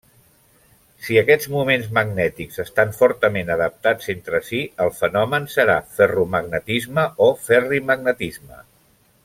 Si aquests moments magnètics estan fortament adaptats entre si, el fenomen serà ferromagnetisme o ferrimagnetisme.